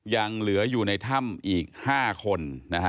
ยังเหลืออยู่ในถ้ำอีก๕คน